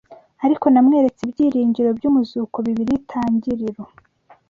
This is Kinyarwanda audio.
Ariko namweretse ibyiringiro by’umuzuko Bibiliya itangiriro